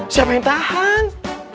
siapa yang tahan